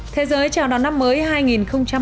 thế giới chào đón năm mới hai nghìn một mươi bảy